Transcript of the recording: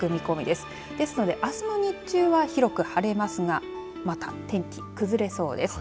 ですのであすの日中は広く晴れますがまた天気崩れそうです。